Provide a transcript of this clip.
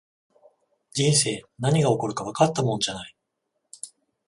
人生、何が起こるかわかったもんじゃない